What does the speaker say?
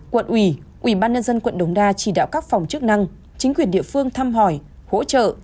quận ủy ủy ban nhân dân quận đống đa chỉ đạo các phòng chức năng chính quyền địa phương thăm hỏi hỗ trợ